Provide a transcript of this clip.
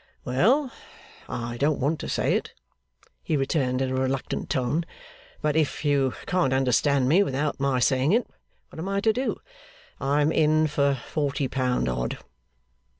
'Well, I don't want to say it,' he returned in a reluctant tone; 'but if you can't understand me without my saying it, what am I to do? I am in for forty pound odd.